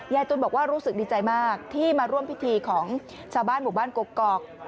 ตุ๋นบอกว่ารู้สึกดีใจมากที่มาร่วมพิธีของชาวบ้านหมู่บ้านกกอก